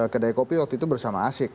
kedai kopi waktu itu bersama asyik